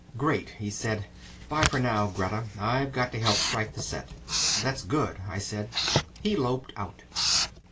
"Great!" he said. "'By for now, Greta. I got to help strike the set." "That's good," I said. He loped out.